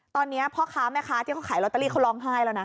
ตอนนี้พ่อค้าแม่ค้าที่เขาขายลอตเตอรี่เขาร้องไห้แล้วนะ